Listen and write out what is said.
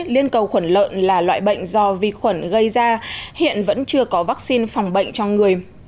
liên cầu khuẩn lợn là loại bệnh do vi khuẩn gây ra hiện vẫn chưa có vaccine phòng bệnh cho người